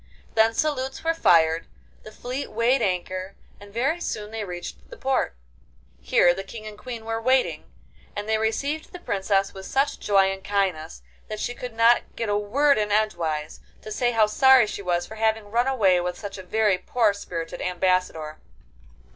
Then salutes were fired, the fleet weighed anchor, and very soon they reached the port. Here the King and Queen were waiting, and they received the Princess with such joy and kindness that she could not get a word in edgewise, to say how sorry she was for having run away with such a very poor spirited Ambassador.